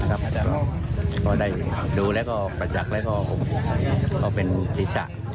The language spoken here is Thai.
ก็ได้ดูแล้วก็ประจักษ์และก็เป็นศิษฐ์